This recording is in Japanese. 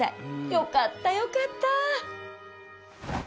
よかったよかった！